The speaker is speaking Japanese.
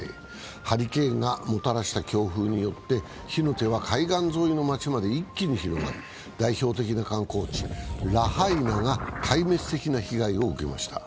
ハリケーンがもたらした強風によって火の手は海岸沿いの街まで一気に広がり代表的な観光地ラハイナが壊滅的な被害を受けました。